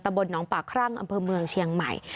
บนน้องป่าครั่งอำเภอเมืองเชียงใหม่